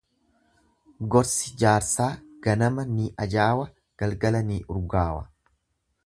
Gorsi jaarsaa ganama ni ajaawa galgala ni urgaawa.